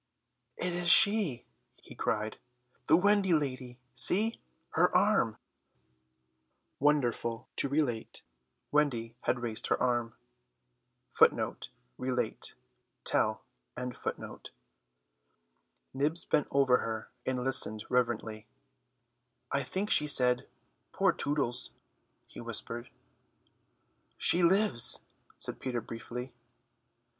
"It is she," he cried, "the Wendy lady, see, her arm!" Wonderful to relate, Wendy had raised her arm. Nibs bent over her and listened reverently. "I think she said, 'Poor Tootles,'" he whispered. "She lives," Peter said briefly.